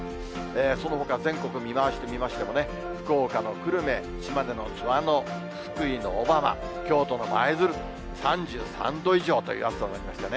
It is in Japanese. そのほか全国見まわしてみましても、福岡の久留米、島根の津和野、福井の小浜、京都の舞鶴、３３度以上という暑さになりましたね。